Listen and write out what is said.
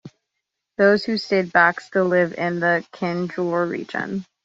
Those who stayed back still live in the Kanjoor region.